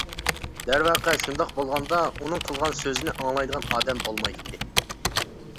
دەرۋەقە شۇنداق بولغاندا ئۇنىڭ قىلغان سۆزىنى ئاڭلايدىغان ئادەم بولمايتتى.